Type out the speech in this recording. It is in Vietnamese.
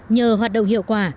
nhờ hoạt động hiệu quả